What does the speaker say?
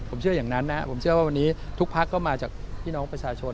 ผมเชื่ออย่างนั้นนะผมเชื่อว่าวันนี้ทุกพักก็มาจากพี่น้องประชาชน